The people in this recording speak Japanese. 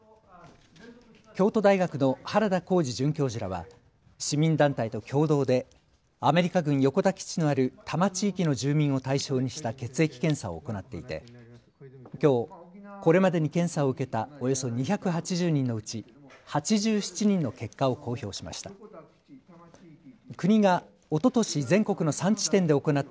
京都大学の原田浩二准教授らは市民団体と共同でアメリカ軍横田基地のある多摩地域の住民を対象にした血液検査を行っていてきょう、これまでに検査を受けたおよそ２８０人のうち８７人の結果を公表しました。